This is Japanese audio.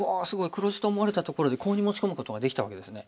黒地と思われたところでコウに持ち込むことができたわけですね。